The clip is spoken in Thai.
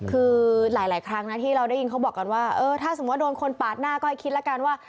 คือหลายครั้งนะที่เราได้ยินเขาบอกกันว่าเออถ้าสมมุติโดนคนปาดหน้าก็ให้คิดแล้วกันว่า